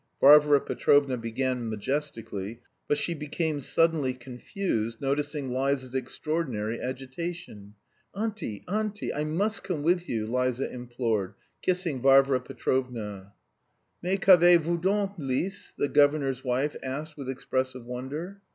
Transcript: Varvara Petrovna began majestically, but she became suddenly confused, noticing Liza's extraordinary agitation. "Auntie, auntie, I must come with you!" Liza implored, kissing Varvara Petrovna. "Mais qu'avez vous donc, Lise?" the governor's wife asked with expressive wonder.